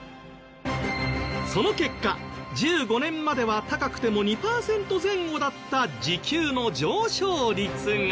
その結果１５年までは高くても２パーセント前後だった時給の上昇率が。